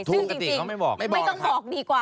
ซึ่งจริงไม่ต้องบอกดีกว่า